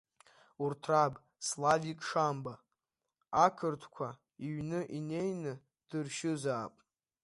Урҭ раб, Славик Шамба, ақырҭқәа иҩны инеины дыршьызаап.